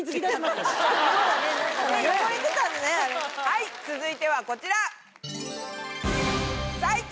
はい続いてはこちら。